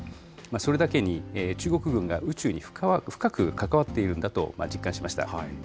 それだけに中国軍が宇宙に深く関わっているんだと実感しました。